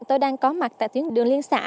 tôi đang có mặt tại tuyến đường liên xã